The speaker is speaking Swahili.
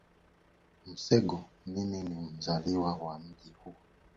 msego mimi ni mzaliwa wa mji huu